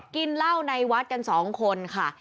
กินเหล้าในวัดกัน๒คนค่ะ